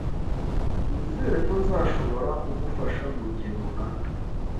Nizere ko nzashobora kugufasha mugihe runaka.